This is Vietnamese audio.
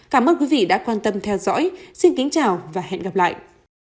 cảm ơn quý vị đã quan tâm theo dõi xin kính chào và hẹn gặp lại